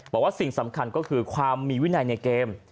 บอกว่าสิ่งสำคัญก็คือความมีวินัยในเกม